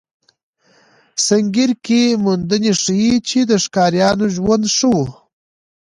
سنګیر کې موندنې ښيي، چې د ښکاریانو ژوند ښه و.